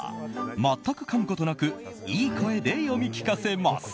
全くかむことなくいい声で読み聞かせます。